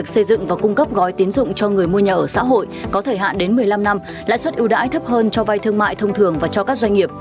sẽ được thực hiện trong thời gian tới xin mời quý vị theo dõi